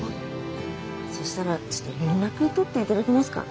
そしたらちょっと連絡取っていただけますか？